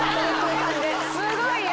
すごい嫌。